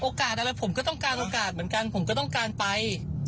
อะไรผมก็ต้องการโอกาสเหมือนกันผมก็ต้องการไป